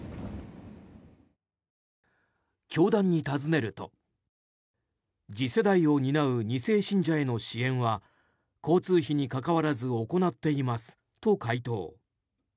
教団に尋ねると次世代を担う２世信者への支援は交通費に関わらず行っていますと回答。